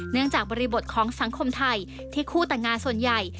จากบริบทของสังคมไทยที่คู่แต่งงานส่วนใหญ่